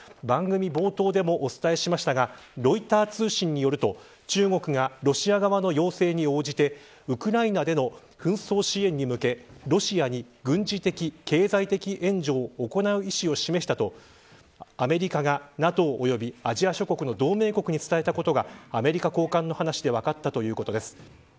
番組冒頭でもお伝えしましたがロイター通信によると中国がロシア側の要請に応じてウクライナでの紛争支援に向けロシアに軍事的、経済的援助を行う意思を示したとアメリカがＮＡＴＯ及びアジア諸国の同盟国に伝えたことがアメリカ高官の話で分かったということです。